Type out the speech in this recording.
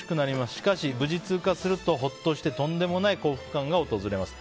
しかし、無事通過するとほっとしてとんでもない幸福感が訪れます。